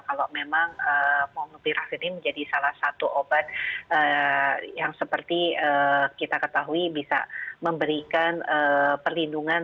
kalau memang molnupiravin ini menjadi salah satu obat yang seperti kita ketahui bisa memberikan perlindungan